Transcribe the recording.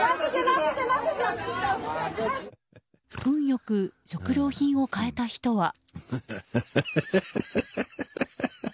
運良く食料品を買えた人は。